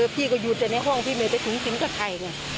พี่ก็หยุดในห้องพี่ไม่ไปถึงกับใครไง